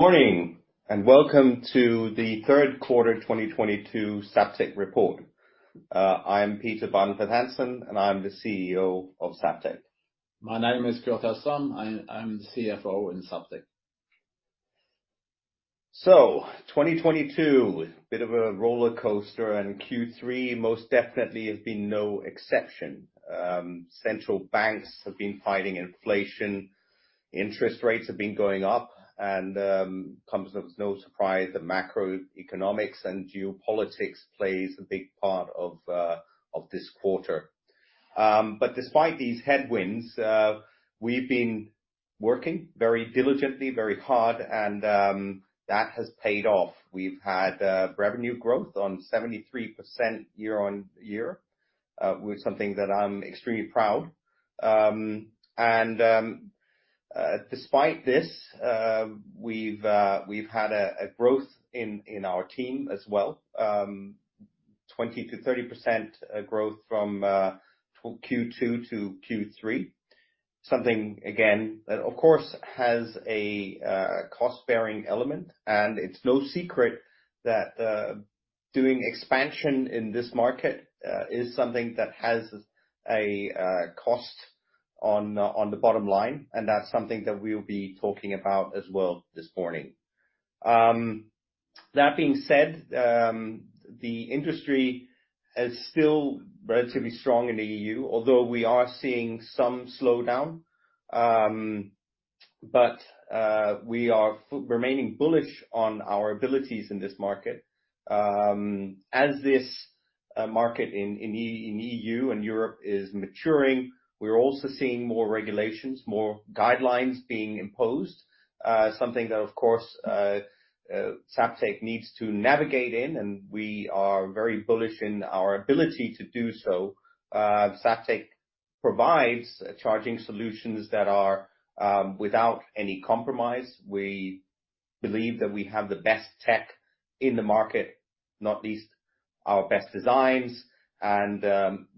Morning, welcome to the third quarter 2022 Zaptec report. I am Peter Bardenfleth-Hansen, and I'm the CEO of Zaptec. My name is Kurt Østrem. I'm the CFO in Zaptec. 2022, bit of a rollercoaster, and Q3 most definitely has been no exception. Central banks have been fighting inflation, interest rates have been going up, and comes as no surprise, the macroeconomic and geopolitics plays a big part of this quarter. Despite these headwinds, we've been working very diligently, very hard, and that has paid off. We've had revenue growth of 73% year-over-year, with something that I'm extremely proud. Despite this, we've had a growth in our team as well. 20%-30% growth from Q2 to Q3. Something again, that of course has a cost-bearing element, and it's no secret that doing expansion in this market is something that has a cost on the bottom line, and that's something that we'll be talking about as well this morning. That being said, the industry is still relatively strong in the EU, although we are seeing some slowdown. We are remaining bullish on our abilities in this market. As this market in EU and Europe is maturing, we're also seeing more regulations, more guidelines being imposed. Something that, of course, Zaptec needs to navigate in, and we are very bullish in our ability to do so. Zaptec provides charging solutions that are without any compromise. We believe that we have the best tech in the market, not least our best designs.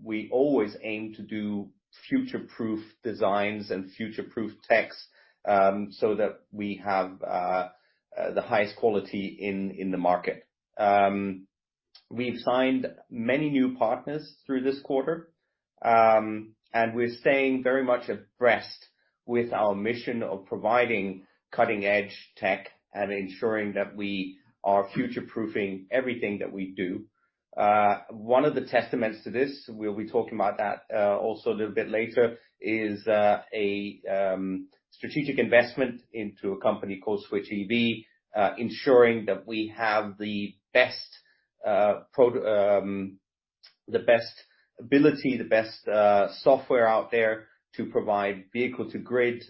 We always aim to do future-proof designs and future-proof techs, so that we have the highest quality in the market. We've signed many new partners through this quarter, and we're staying very much abreast with our mission of providing cutting-edge tech and ensuring that we are future-proofing everything that we do. One of the testaments to this, we'll be talking about that also a little bit later, is a strategic investment into a company called Switch EV, ensuring that we have the best software out there to provide vehicle-to-grid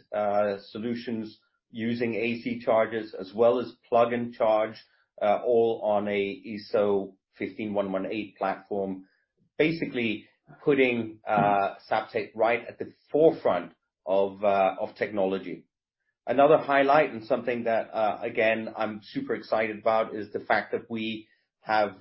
solutions using AC chargers as well as Plug & Charge, all on a ISO 15118 platform, basically putting Zaptec right at the forefront of technology. Another highlight and something that, again, I'm super excited about is the fact that we have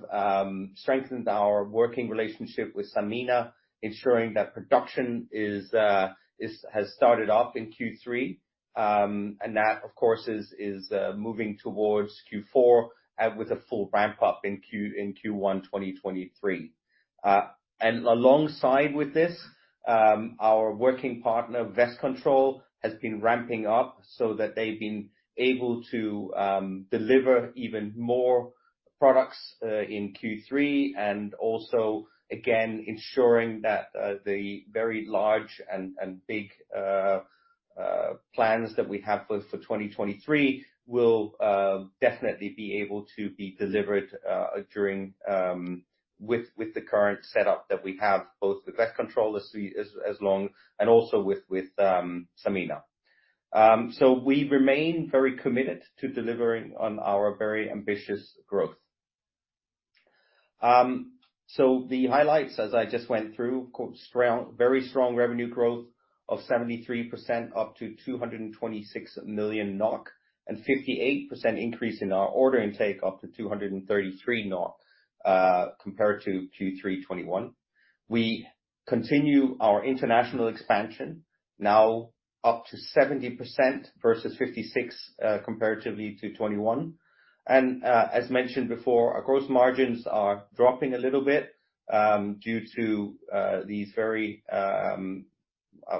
strengthened our working relationship with Sanmina, ensuring that production has started off in Q3 and that, of course, is moving towards Q4 with a full ramp up in Q1 2023. Alongside with this, our working partner, Westcontrol, has been ramping up so that they've been able to deliver even more products in Q3, and also, again, ensuring that the very large and big plans that we have for 2023 will definitely be able to be delivered with the current setup that we have both with Westcontrol as well as with Sanmina. We remain very committed to delivering on our very ambitious growth. The highlights, as I just went through, of course, very strong revenue growth of 73%, up to 226 million NOK and 58% increase in our order intake, up to 233 million NOK, compared to Q3 2021. We continue our international expansion, now up to 70% versus 56%, comparatively to 2021. As mentioned before, our gross margins are dropping a little bit, due to these very, I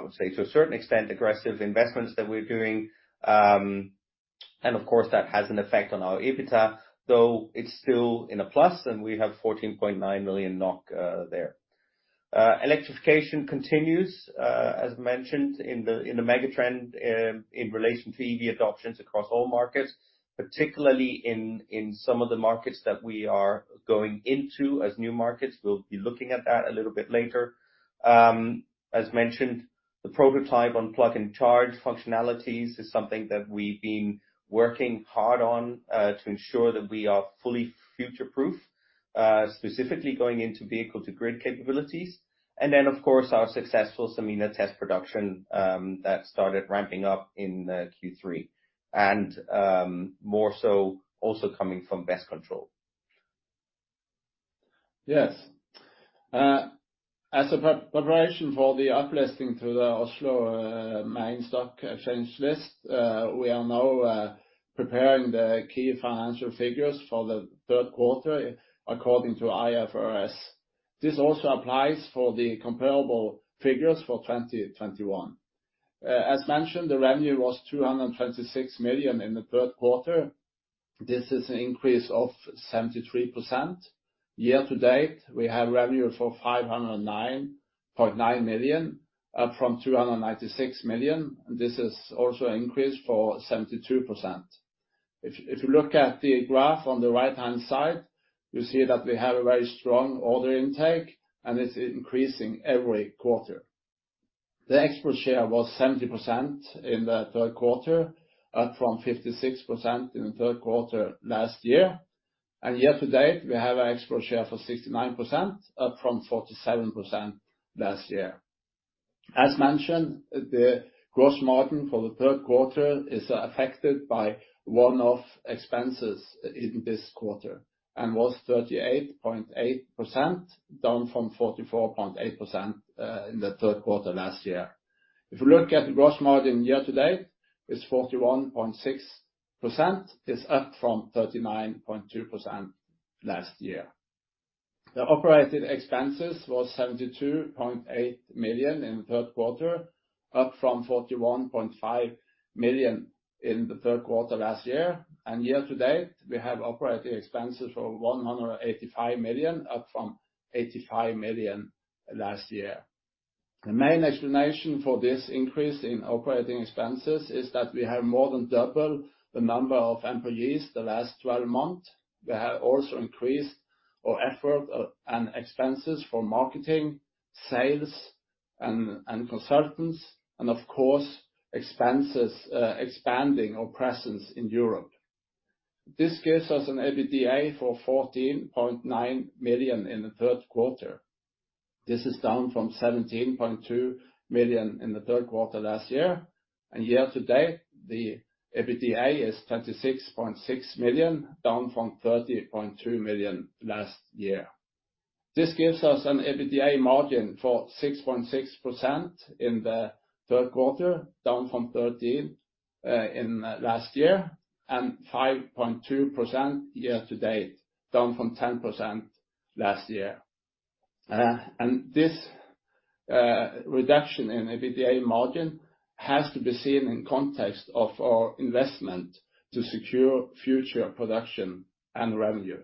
would say to a certain extent, aggressive investments that we're doing. Of course that has an effect on our EBITDA, though it's still in a plus and we have 14.9 million NOK there. Electrification continues, as mentioned in the mega trend, in relation to EV adoptions across all markets, particularly in some of the markets that we are going into as new markets. We'll be looking at that a little bit later. As mentioned, the prototype on Plug & Charge functionalities is something that we've been working hard on to ensure that we are fully future-proof, specifically going into vehicle-to-grid capabilities. Of course, our successful Sanmina test production that started ramping up in Q3, and more so also coming from Westcontrol. Yes. As a preparation for the uplisting to the Oslo Børs main stock exchange list, we are now preparing the key financial figures for the third quarter according to IFRS. This also applies for the comparable figures for 2021. As mentioned, the revenue was 226 million in the third quarter. This is an increase of 73%. Year-to-date, we have revenue for 509.9 million, up from 296 million, and this is also an increase for 72%. If you look at the graph on the right-hand side, you see that we have a very strong order intake, and it's increasing every quarter. The export share was 70% in the third quarter, up from 56% in the third quarter last year. Year-to-date, we have an export share for 69%, up from 47% last year. As mentioned, the gross margin for the third quarter is affected by one-off expenses in this quarter and was 38.8%, down from 44.8% in the third quarter last year. If you look at the gross margin year-to-date, it's 41.6%. It's up from 39.2% last year. The operating expenses was 72.8 million in the third quarter, up from 41.5 million in the third quarter last year. Year-to-date, we have operating expenses for 185 million, up from 85 million last year. The main explanation for this increase in operating expenses is that we have more than double the number of employees the last 12 months. We have also increased our effort and expenses for marketing, sales, and consultants, and of course, expenses expanding our presence in Europe. This gives us an EBITDA of 14.9 million in the third quarter. This is down from 17.2 million in the third quarter last year. Year-to-date, the EBITDA is 26.6 million, down from 30.2 million last year. This gives us an EBITDA margin for 6.6% in the third quarter, down from 13% in last year, and 5.2% year-to-date, down from 10% last year. This reduction in EBITDA margin has to be seen in context of our investment to secure future production and revenue.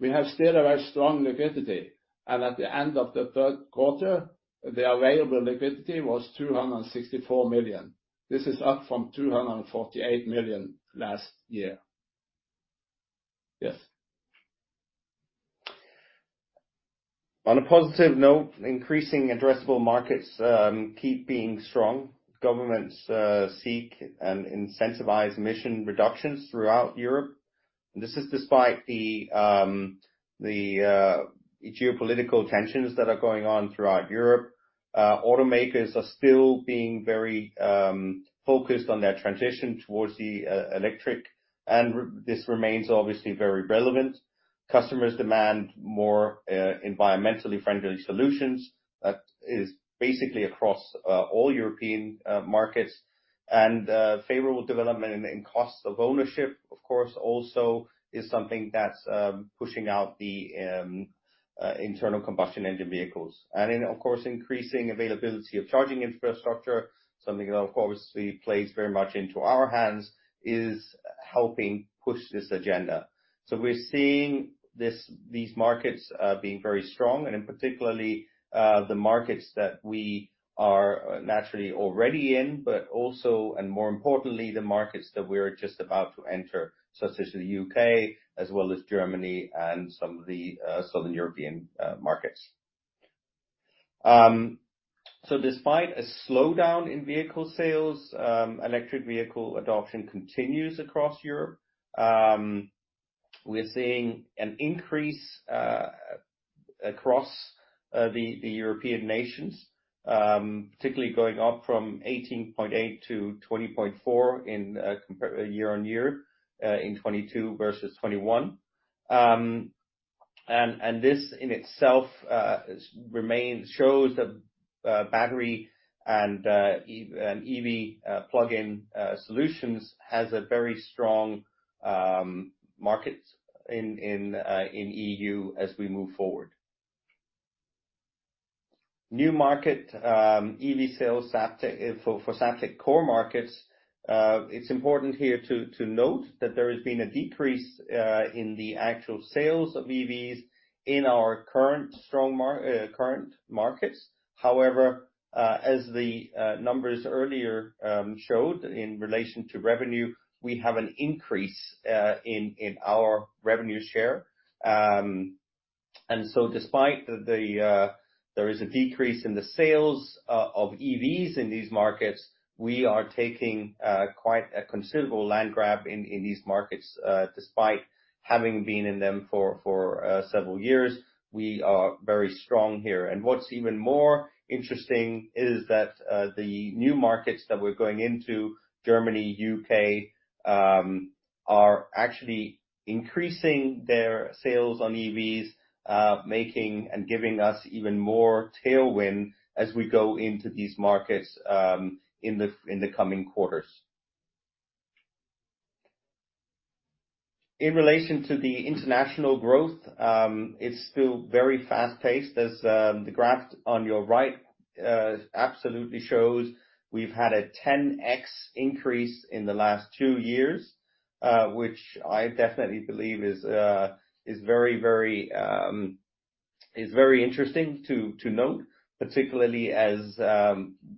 We have still a very strong liquidity, and at the end of the third quarter, the available liquidity was 264 million. This is up from 248 million last year. Yes. On a positive note, increasing addressable markets keep being strong. Governments seek and incentivize emission reductions throughout Europe. This is despite the geopolitical tensions that are going on throughout Europe. Automakers are still being very focused on their transition towards the electric, and this remains obviously very relevant. Customers demand more environmentally friendly solutions. That is basically across all European markets and favorable development in costs of ownership, of course, also is something that's pushing out the internal combustion engine vehicles. Of course, increasing availability of charging infrastructure, something that obviously plays very much into our hands, is helping push this agenda. We're seeing these markets being very strong and particularly the markets that we are naturally already in, but also, more importantly, the markets that we're just about to enter, such as the U.K. as well as Germany and some of the southern European markets. Despite a slowdown in vehicle sales, electric vehicle adoption continues across Europe. We're seeing an increase across the European nations, particularly going up from 18.8%-20.4% year-over-year in 2022 versus 2021. And this in itself shows that battery and EV plug-in solutions has a very strong market in EU as we move forward. New market, EV sales Zaptec for Zaptec core markets, it's important here to note that there has been a decrease in the actual sales of EVs in our current markets. However, as the numbers earlier showed in relation to revenue, we have an increase in our revenue share. Despite there is a decrease in the sales of EVs in these markets, we are taking quite a considerable land grab in these markets, despite having been in them for several years. We are very strong here. What's even more interesting is that the new markets that we're going into, Germany, U.K., are actually increasing their sales on EVs, making and giving us even more tailwind as we go into these markets in the coming quarters. In relation to the international growth, it's still very fast-paced. As the graph on your right absolutely shows we've had a 10x increase in the last two years, which I definitely believe is very interesting to note, particularly as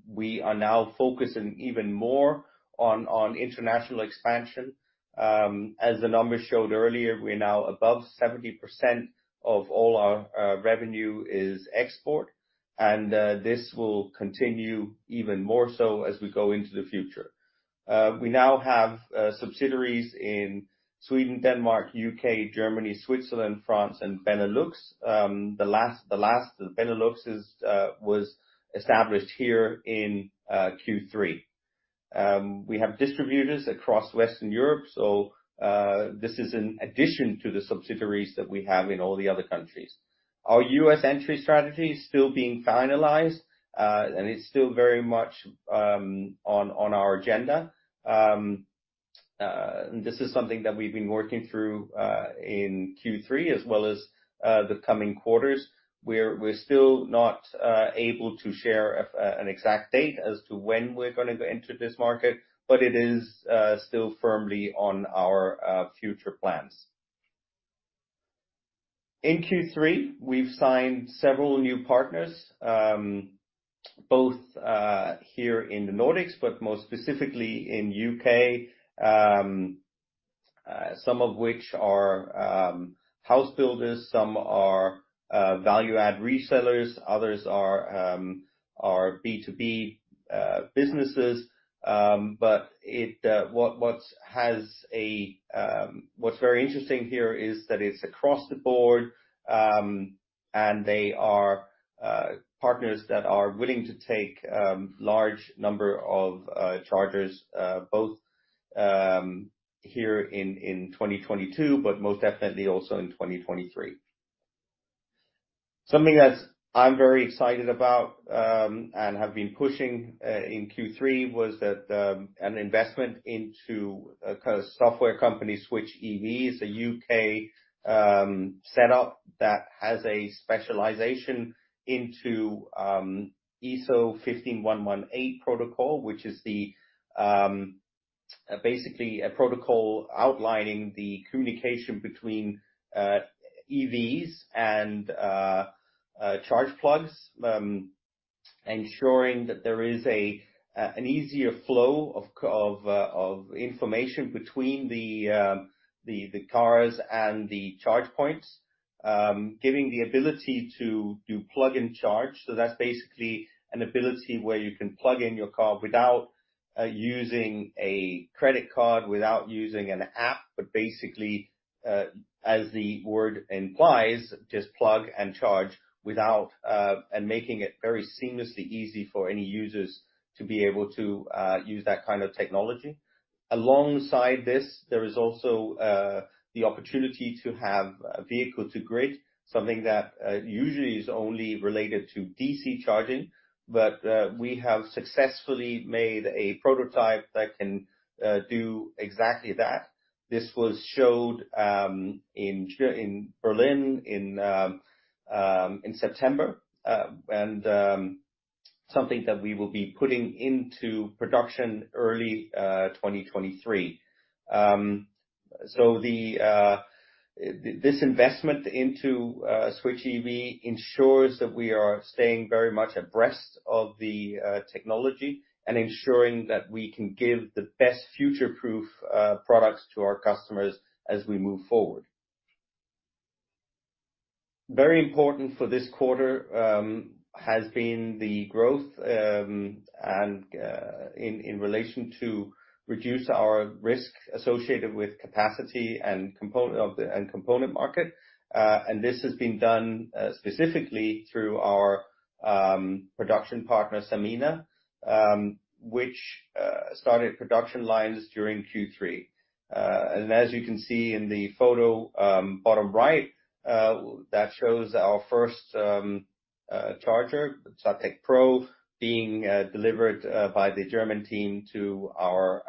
we are now focusing even more on international expansion. As the numbers showed earlier, we're now above 70% of all our revenue is export, and this will continue even more so as we go into the future. We now have subsidiaries in Sweden, Denmark, U.K., Germany, Switzerland, France, and Benelux. The Benelux was established here in Q3. We have distributors across Western Europe, so this is in addition to the subsidiaries that we have in all the other countries. Our U.S. entry strategy is still being finalized, and it's still very much on our agenda. This is something that we've been working through in Q3 as well as the coming quarters. We're still not able to share an exact date as to when we're going to go into this market, but it is still firmly on our future plans. In Q3, we've signed several new partners, both here in the Nordics, but more specifically in the U.K., some of which are house builders, some are value-added resellers, others are B2B businesses. What's very interesting here is that it's across the board, and they are partners that are willing to take large number of chargers both here in 2022 but most definitely also in 2023. Something that I'm very excited about and have been pushing in Q3 was an investment into a software company, Switch EV. It's a U.K. setup that has a specialization into ISO 15118 protocol, which is basically a protocol outlining the communication between EVs and charge plugs, ensuring that there is an easier flow of information between the cars and the charge points, giving the ability to do Plug & Charge. That's basically an ability where you can plug in your car without using a credit card, without using an app, but basically, as the word implies, just Plug & Charge without and making it very seamlessly easy for any users to be able to use that kind of technology. Alongside this, there is also the opportunity to have vehicle-to-grid, something that usually is only related to DC charging, but we have successfully made a prototype that can do exactly that. This was showed in Berlin in September, and something that we will be putting into production early 2023. This investment into Switch EV ensures that we are staying very much abreast of the technology and ensuring that we can give the best future-proof products to our customers as we move forward. Very important for this quarter has been the growth and in relation to reduce our risk associated with capacity and component market. This has been done specifically through our production partner, Sanmina, which started production lines during Q3. As you can see in the photo, bottom right, that shows our first charger, Zaptec Pro, being delivered by the German team to our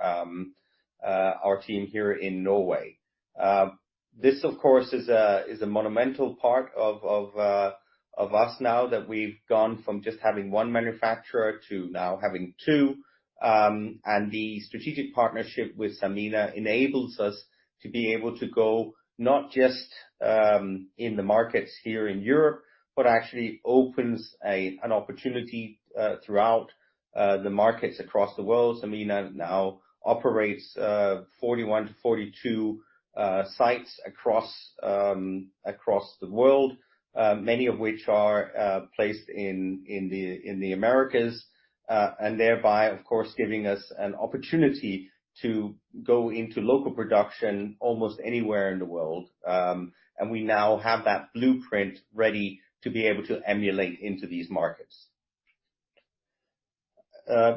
team here in Norway. This of course is a monumental part of us now that we've gone from just having one manufacturer to now having two. The strategic partnership with Sanmina enables us to be able to go not just in the markets here in Europe, but actually opens an opportunity throughout the markets across the world. Sanmina now operates 41-42 sites across the world, many of which are placed in the Americas, and thereby of course giving us an opportunity to go into local production almost anywhere in the world. We now have that blueprint ready to be able to emulate into these markets.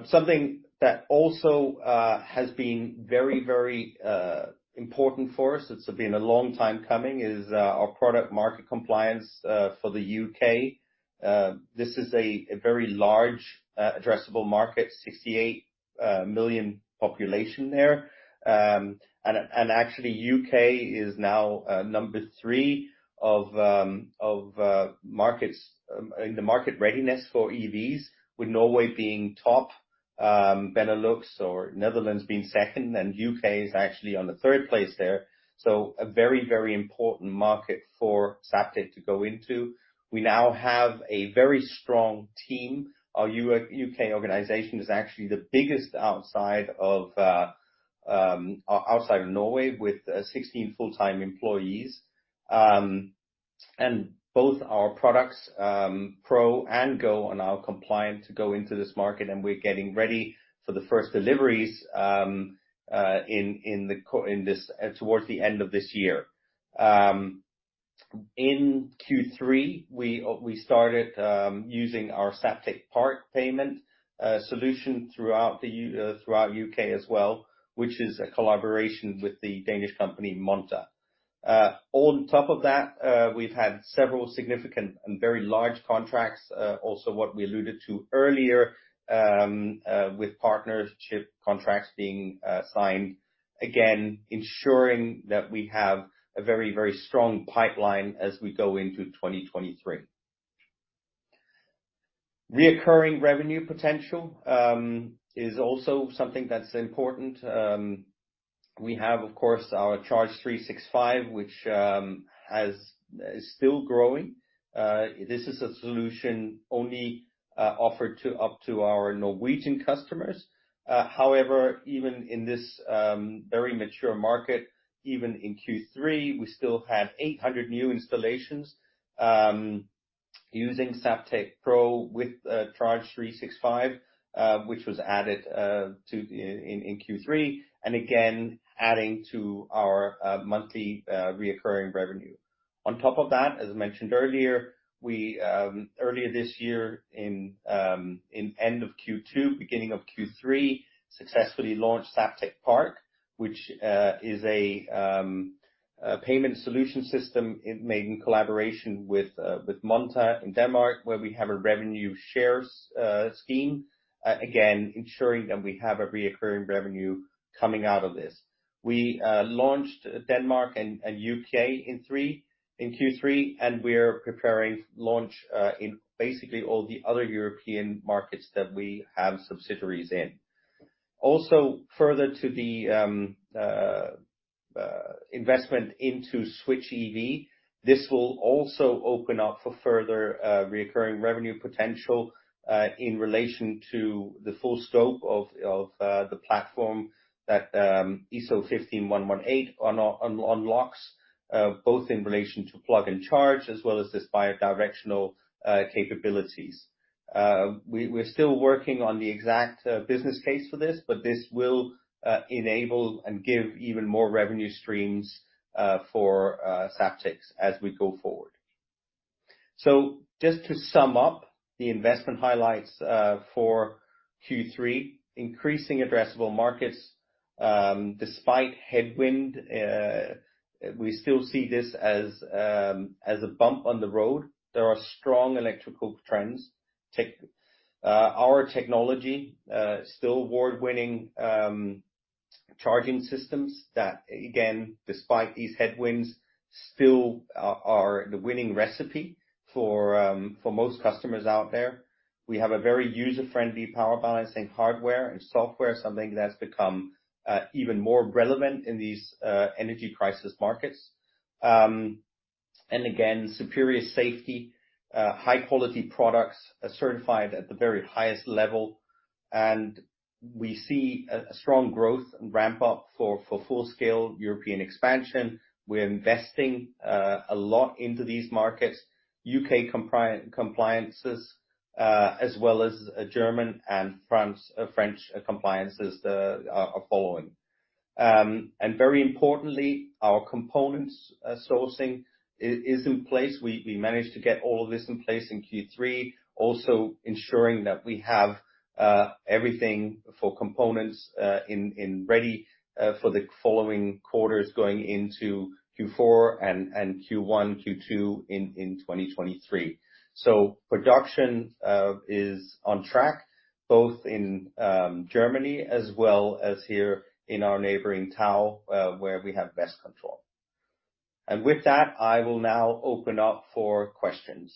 Something that also has been very important for us, it's been a long time coming, is our product market compliance for the U.K. This is a very large addressable market, 68 million population there. Actually, U.K. is now number three of markets in the market readiness for EVs, with Norway being top, Benelux or Netherlands being second, and U.K. is actually on the third place there. A very, very important market for Zaptec to go into. We now have a very strong team. Our U.K. organization is actually the biggest outside of Norway, with 16 full-time employees. Both our products, Pro and Go are now compliant to go into this market, and we're getting ready for the first deliveries towards the end of this year. In Q3, we started using our Zaptec Park payment solution throughout the U.K. as well, which is a collaboration with the Danish company Monta. On top of that, we've had several significant and very large contracts, also what we alluded to earlier, with partnership contracts being signed, again, ensuring that we have a very, very strong pipeline as we go into 2023. Recurring revenue potential is also something that's important. We have, of course, our Charge365, which is still growing. This is a solution only offered to our Norwegian customers. However, even in this very mature market, even in Q3, we still had 800 new installations using Zaptec Pro with Charge365, which was added in Q3, and again, adding to our monthly recurring revenue. On top of that, as mentioned earlier, we earlier this year in end of Q2, beginning of Q3, successfully launched Zaptec Park, which is a payment solution system made in collaboration with Monta in Denmark, where we have a revenue shares scheme, again, ensuring that we have a recurring revenue coming out of this. We launched in Denmark and U.K. in Q3, and we're preparing to launch in basically all the other European markets that we have subsidiaries in. Also, further to the investment into Switch EV, this will also open up for further recurring revenue potential in relation to the full scope of the platform that ISO 15118 unlocks, both in relation to Plug & Charge as well as this bi-directional capabilities. We're still working on the exact business case for this, but this will enable and give even more revenue streams for Zaptec as we go forward. Just to sum up the investment highlights for Q3, increasing addressable markets, despite headwind, we still see this as a bump on the road. There are strong electrification trends. Our technology still award-winning charging systems that, again, despite these headwinds, still are the winning recipe for most customers out there. We have a very user-friendly power-balancing hardware and software, something that's become even more relevant in these energy crisis markets. Again, superior safety, high-quality products certified at the very highest level. We see a strong growth and ramp up for full-scale European expansion. We're investing a lot into these markets. U.K. compliances, as well as German and French compliances, are following. Very importantly, our components sourcing is in place. We managed to get all of this in place in Q3, also ensuring that we have everything for components in ready for the following quarters going into Q4 and Q1, Q2 in 2023. Production is on track, both in Germany as well as here in our neighboring town, where we have best control. With that, I will now open up for questions.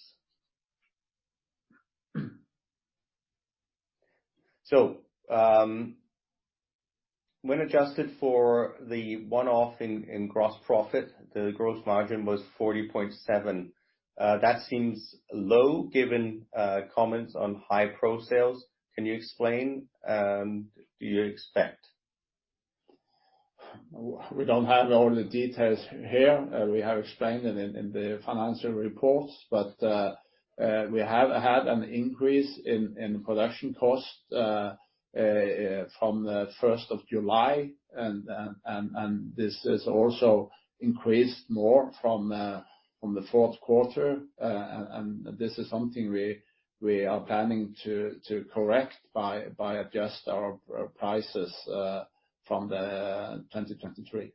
When adjusted for the one-off in gross profit, the gross margin was 40.7%. That seems low given comments on high Pro sales. Can you explain, do you expect? We don't have all the details here. We have explained it in the financial reports, but we have had an increase in production costs from the July 1st, and this has also increased more from the fourth quarter. This is something we are planning to correct by adjusting our prices from 2023.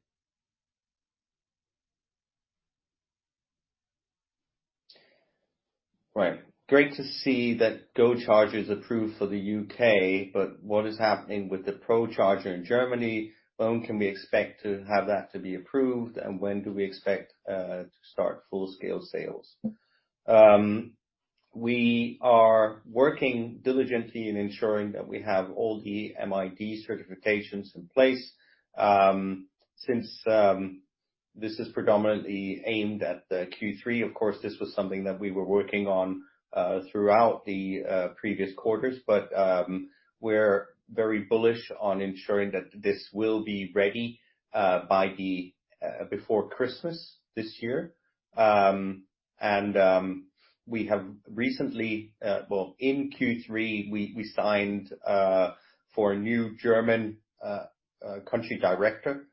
Right. Great to see that Zaptec Go is approved for the U.K., but what is happening with the Zaptec Pro in Germany? When can we expect to have that to be approved, and when do we expect to start full scale sales? We are working diligently on ensuring that we have all the MID certifications in place. Since this is predominantly aimed at the Q3, of course, this was something that we were working on throughout the previous quarters. We're very bullish on ensuring that this will be ready before Christmas this year. We have recently, well, in Q3, we signed a new German country director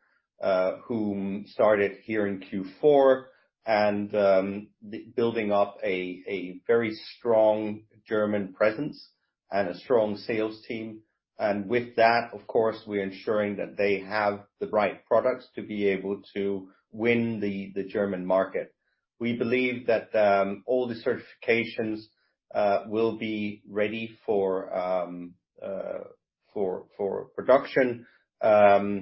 who started here in Q4 and building up a very strong German presence and a strong sales team. With that, of course, we're ensuring that they have the right products to be able to win the German market. We believe that all the certifications will be ready for production so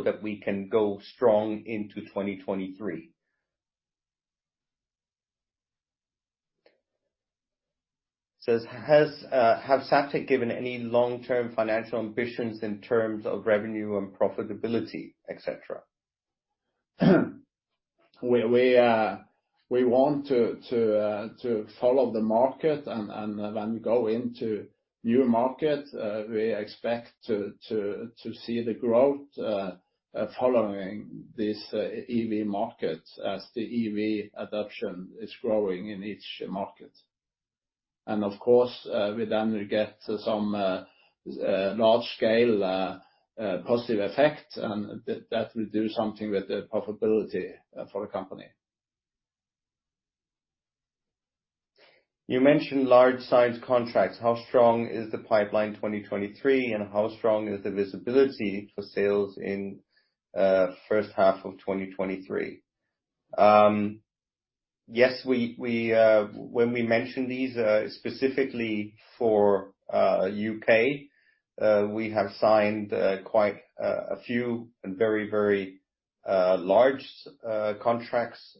that we can go strong into 2023. Says, "Has Zaptec given any long-term financial ambitions in terms of revenue and profitability, etc.? We want to follow the market and when we go into new markets, we expect to see the growth following this EV market as the EV adoption is growing in each market. Of course, we then will get some large scale positive effect, and that will do something with the profitability for the company. You mentioned large-sized contracts. How strong is the pipeline in 2023, and how strong is the visibility for sales in first half of 2023? Yes, when we mention these, specifically for U.K., we have signed quite a few and very, very large contracts,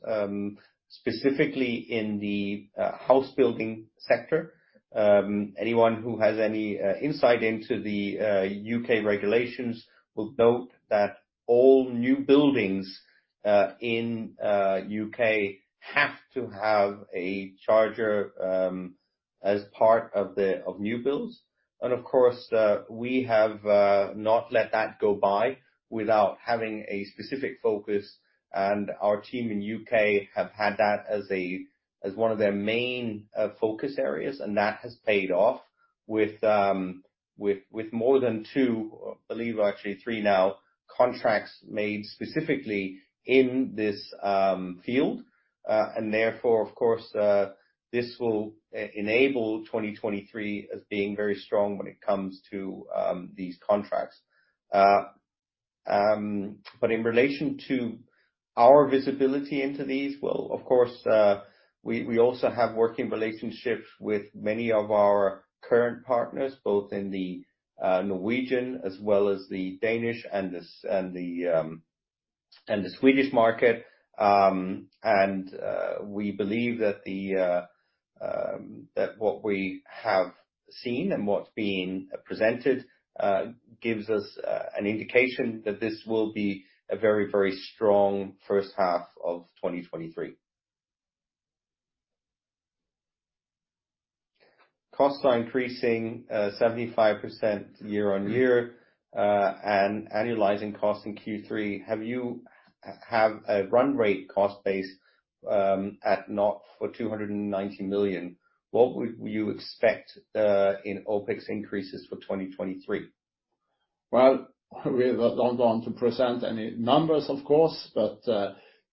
specifically in the house building sector. Anyone who has any insight into the U.K. regulations will note that all new buildings in U.K. have to have a charger, as part of the new builds. Of course, we have not let that go by without having a specific focus. Our team in U.K. have had that as one of their main focus areas, and that has paid off with more than two, I believe actually three now, contracts made specifically in this field. Therefore, of course, this will enable 2023 as being very strong when it comes to these contracts. In relation to our visibility into these, of course, we also have working relationships with many of our current partners, both in the Norwegian as well as the Danish and the Swedish market. We believe that what we have seen and what's been presented gives us an indication that this will be a very, very strong first half of 2023. Costs are increasing 75% year-on-year, and annualizing costs in Q3. Have you a run rate cost base at 290 million? What would you expect in OpEx increases for 2023? Well, we don't want to present any numbers, of course, but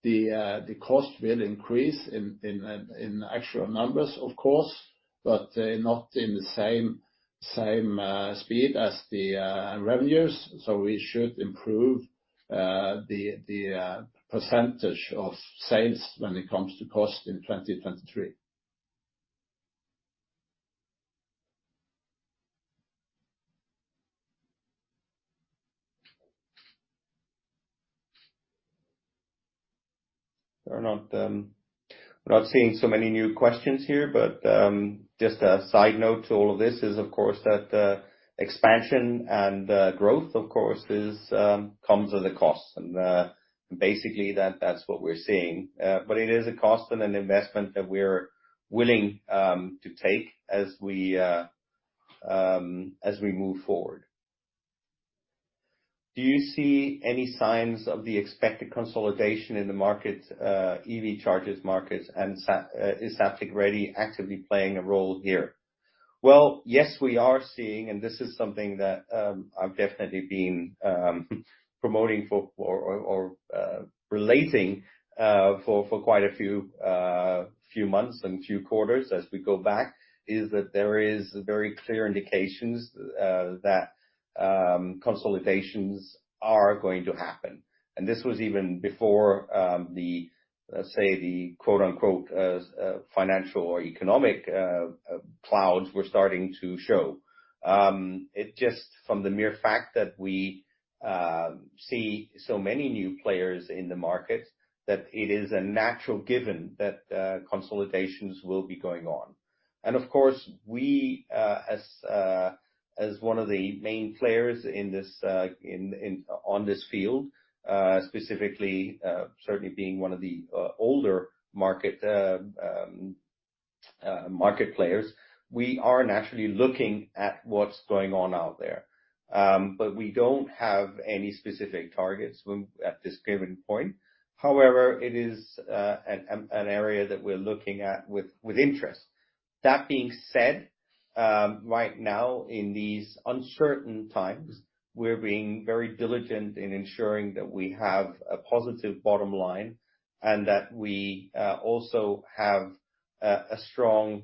the cost will increase in actual numbers, of course, but not in the same speed as the revenues. We should improve the percentage of sales when it comes to cost in 2023. We're not seeing so many new questions here, but just a side note to all of this is, of course, that expansion and growth, of course, comes with a cost. Basically, that's what we're seeing. It is a cost and an investment that we're willing to take as we move forward. Do you see any signs of the expected consolidation in the market, EV charger markets and is Zaptec ready and actively playing a role here? Well, yes, we are seeing, and this is something that I've definitely been promoting for or relating for quite a few months and few quarters as we go back, is that there is very clear indications that consolidations are going to happen. This was even before the, let's say the "financial or economic clouds" were starting to show. It's just from the mere fact that we see so many new players in the market, that it is a natural given that consolidations will be going on. Of course, we as one of the main players on this field specifically, certainly being one of the older market players, we are naturally looking at what's going on out there. We don't have any specific targets at this given point. However, it is an area that we're looking at with interest. That being said, right now, in these uncertain times, we're being very diligent in ensuring that we have a positive bottom line and that we also have a strong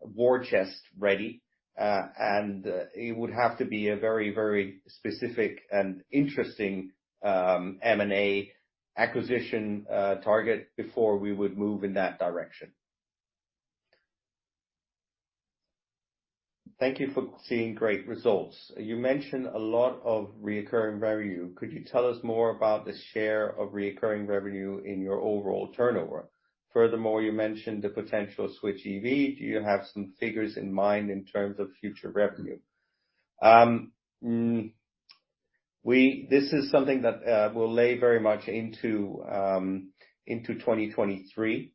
war chest ready, and it would have to be a very, very specific and interesting M&A acquisition target before we would move in that direction. Thank you for sharing great results. You mentioned a lot of recurring revenue. Could you tell us more about the share of recurring revenue in your overall turnover? Furthermore, you mentioned the potential Switch EV. Do you have some figures in mind in terms of future revenue? This is something that will play very much into 2023.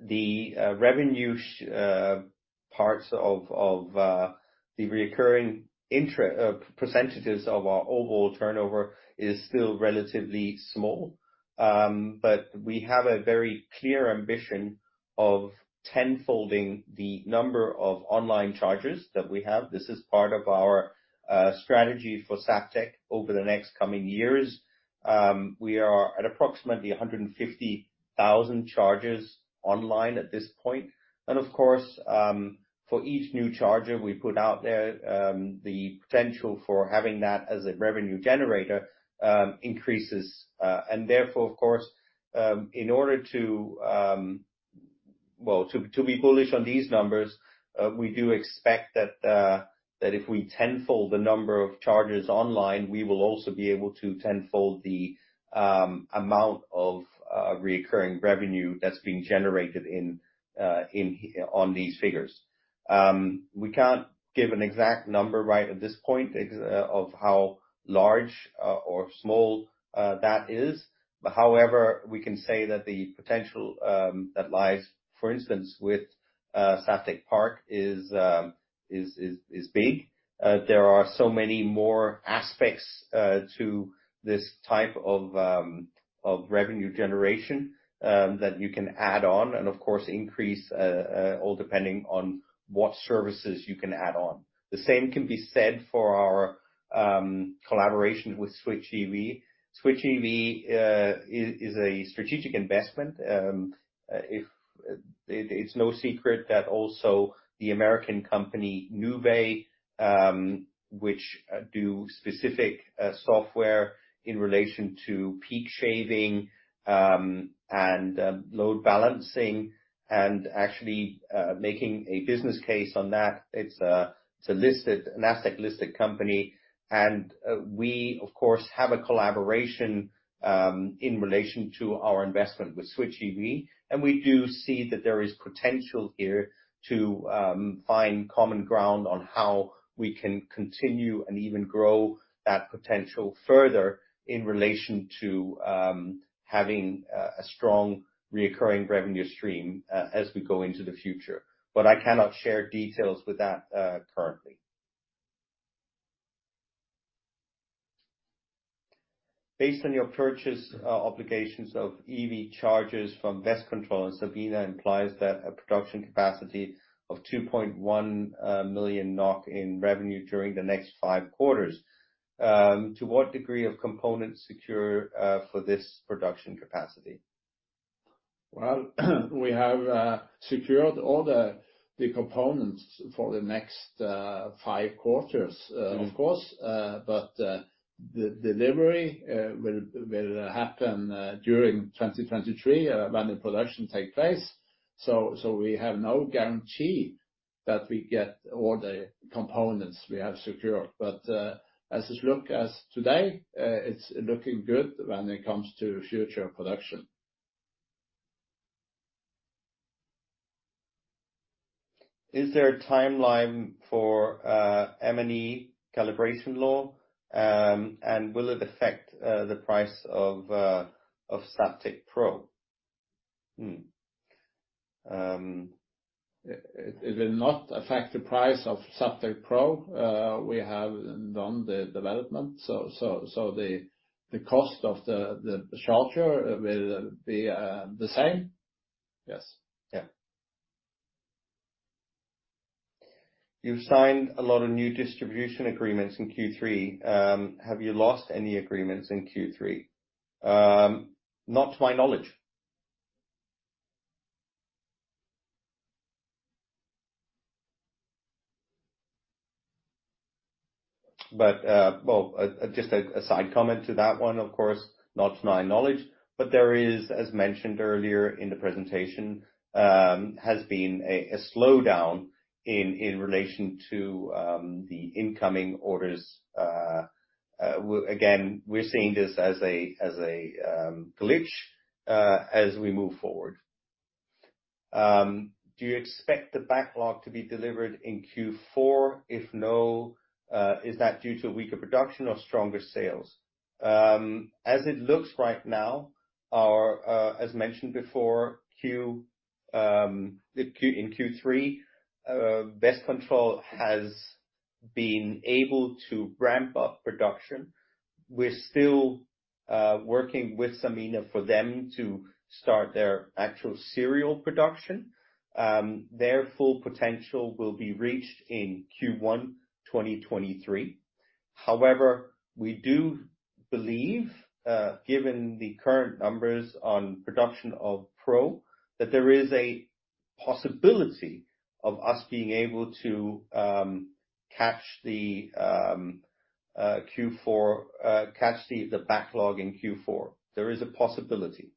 The share of recurring revenue in our overall turnover is still relatively small. We have a very clear ambition of ten-folding the number of online chargers that we have. This is part of our strategy for Zaptec over the next coming years. We are at approximately 150,000 chargers online at this point. Of course, for each new charger we put out there, the potential for having that as a revenue generator increases. Therefore of course, in order to, well, to be bullish on these numbers, we do expect that if we tenfold the number of chargers online, we will also be able to tenfold the amount of recurring revenue that's being generated in on these figures. We can't give an exact number right at this point of how large or small that is. However, we can say that the potential that lies, for instance, with Zaptec Park is big. There are so many more aspects to this type of revenue generation that you can add on and of course increase all depending on what services you can add on. The same can be said for our collaboration with Switch EV. Switch EV is a strategic investment. It is no secret that also the American company Nuvve, which do specific software in relation to peak shaving and load balancing and actually making a business case on that. It is a listed, Nasdaq-listed company. We of course have a collaboration in relation to our investment with Switch, and we do see that there is potential here to find common ground on how we can continue and even grow that potential further in relation to having a strong recurring revenue stream as we go into the future. I cannot share details with that currently. Based on your purchase obligations of EV chargers from Westcontrol and Sanmina implies that a production capacity of 2.1 million NOK in revenue during the next five quarters, to what degree are components secured for this production capacity? Well, we have secured all the components for the next five quarters of course but the delivery will happen during 2023, when the production take place. We have no guarantee that we get all the components we have secured. As it look as today, it's looking good when it comes to future production. Is there a timeline for MID calibration law, and will it affect the price of Zaptec Pro? It will not affect the price of Zaptec Pro. We have done the development, so the cost of the shelter will be the same. Yes. Yeah. You've signed a lot of new distribution agreements in Q3. Have you lost any agreements in Q3? Not to my knowledge. Well, just a side comment to that one, of course, not to my knowledge, but there is, as mentioned earlier in the presentation, has been a slowdown in relation to the incoming orders. Again, we're seeing this as a glitch as we move forward. Do you expect the backlog to be delivered in Q4? If no, is that due to weaker production or stronger sales? As it looks right now, as mentioned before, in Q3, Westcontrol has been able to ramp up production. We're still working with Sanmina for them to start their actual serial production. Their full potential will be reached in Q1 2023. However, we do believe, given the current numbers on production of Pro, that there is a possibility of us being able to catch the backlog in Q4. There is a possibility.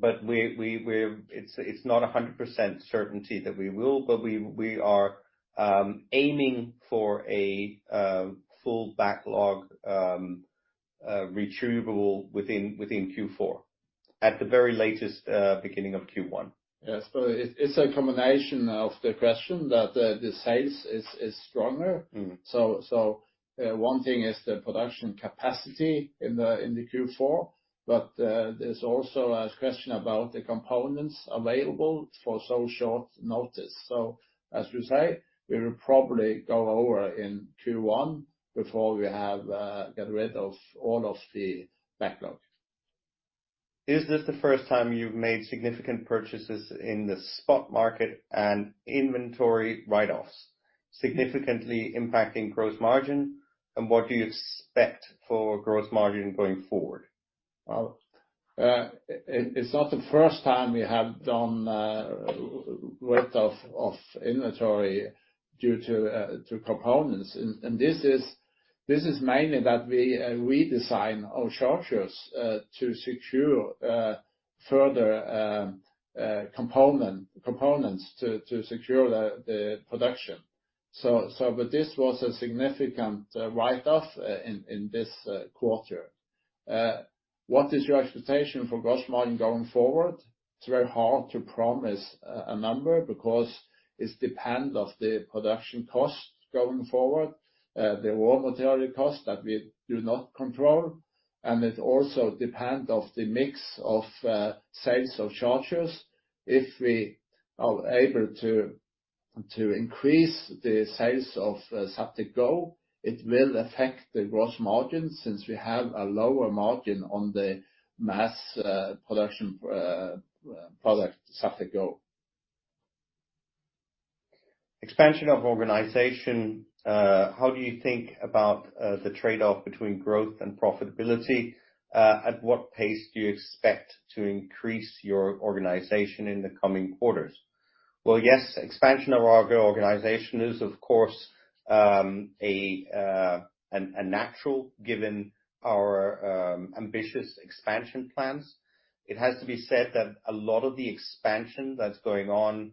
It's not 100% certainty that we will, but we are aiming for a full backlog retrievable within Q4, at the very latest, beginning of Q1. Yes. It's a combination of the question that the sales is stronger. One thing is the production capacity in the Q4, but there's also a question about the components available for such short notice. As we say, we will probably go over in Q1 before we get rid of all of the backlog. Is this the first time you've made significant purchases in the spot market and inventory write-offs significantly impacting gross margin? What do you expect for gross margin going forward? Well, it's not the first time we have done write-off of inventory due to components. This is mainly that we redesign our chargers to secure further components to secure the production. This was a significant write-off in this quarter. What is your expectation for gross margin going forward? It's very hard to promise a number because it depends on the production cost going forward, the raw material cost that we do not control, and it also depends on the mix of sales of chargers. If we are able to increase the sales of Zaptec Go, it will affect the gross margin since we have a lower margin on the mass production product, Zaptec Go. Expansion of organization, how do you think about the trade-off between growth and profitability? At what pace do you expect to increase your organization in the coming quarters? Well, yes, expansion of our organization is, of course, a natural given our ambitious expansion plans. It has to be said that a lot of the expansion that's going on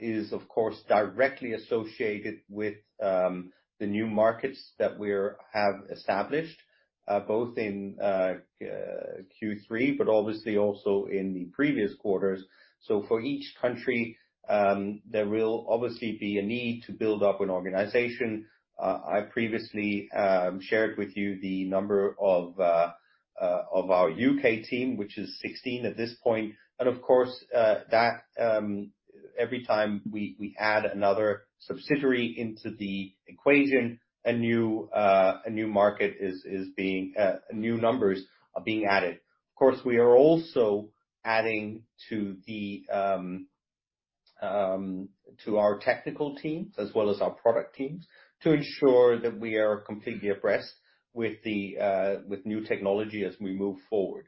is of course directly associated with the new markets that we have established both in Q3, but obviously also in the previous quarters. For each country, there will obviously be a need to build up an organization. I previously shared with you the number of our U.K. team, which is 16 at this point. Of course, every time we add another subsidiary into the equation, new numbers are being added. Of course, we are also adding to our technical teams as well as our product teams to ensure that we are completely abreast with new technology as we move forward.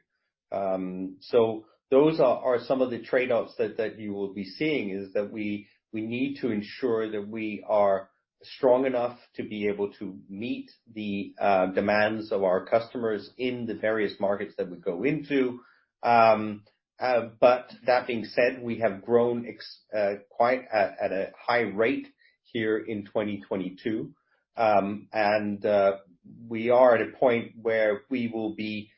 Those are some of the trade-offs that you will be seeing is that we need to ensure that we are strong enough to be able to meet the demands of our customers in the various markets that we go into. That being said, we have grown quite at a high rate here in 2022. We are at a point where we will be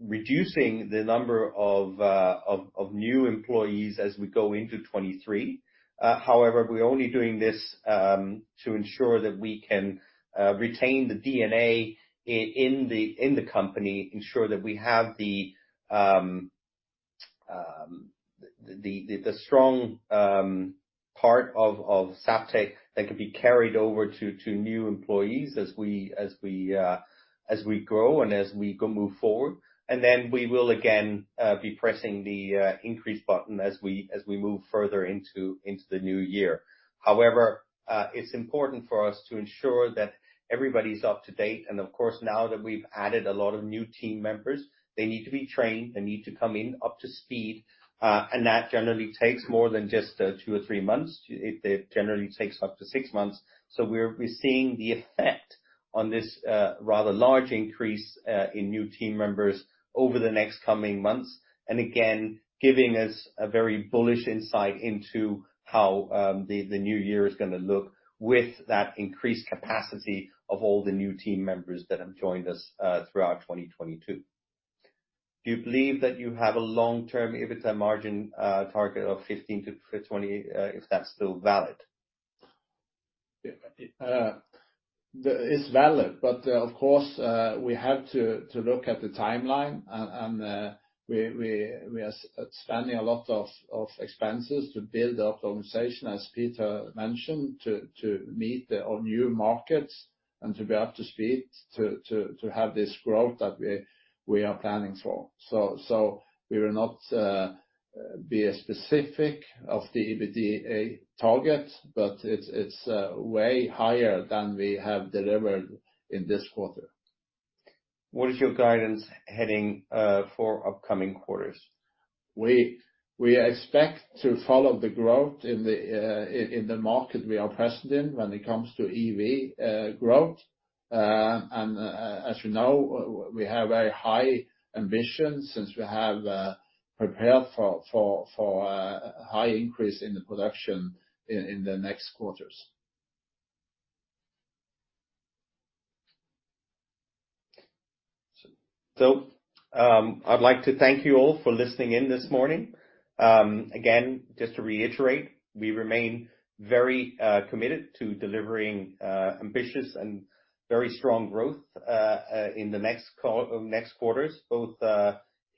reducing the number of new employees as we go into 2023. However, we're only doing this to ensure that we can retain the DNA in the company, ensure that we have the strong part of Zaptec that can be carried over to new employees as we grow and as we move forward, and then we will again be pressing the increase button as we move further into the new year. However, it's important for us to ensure that everybody's up to date. Of course, now that we've added a lot of new team members, they need to be trained, they need to come up to speed, and that generally takes more than just two or three months. It generally takes up to six months. We're seeing the effect on this rather large increase in new team members over the next coming months. Again, giving us a very bullish insight into how the new year is going to look with that increased capacity of all the new team members that have joined us throughout 2022. Do you believe that you have a long-term margin target of 15%-20%, if that's still valid? It's valid, but, of course, we have to look at the timeline and we are spending a lot of expenses to build the organization, as Peter mentioned, to meet our new markets and to be up to speed to have this growth that we are planning for. We will not be specific of the EBITDA target, but it's way higher than we have delivered in this quarter. What is your guidance heading for upcoming quarters? We expect to follow the growth in the market we are present in when it comes to EV growth. As you know, we have very high ambitions since we have prepared for high increase in the production in the next quarters. I'd like to thank you all for listening in this morning. Again, just to reiterate, we remain very committed to delivering ambitious and very strong growth in the next quarters, both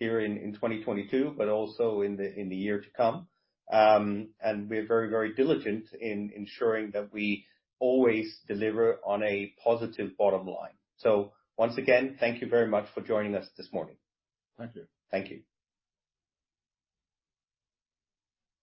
here in 2022, but also in the year to come. We're very, very diligent in ensuring that we always deliver on a positive bottom line. Once again, thank you very much for joining us this morning. Thank you. Thank you.